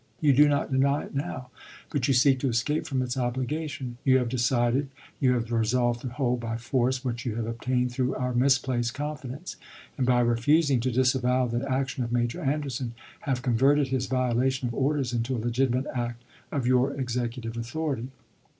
You do not deny it now, but you seek to escape from its obligation. .. You have decided, you have resolved to hold by force, what you have obtained through our misplaced confidence ; and by refusing to disavow the action of Major Anderson, have converted his viola tion of orders into a legitimate act of your executive authority.